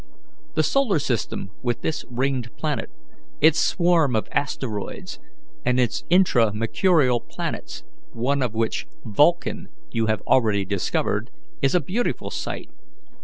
The solar system, with this ringed planet, its swarm of asteroids, and its intra Mercurial planets one of which, Vulcan, you have already discovered is a beautiful sight.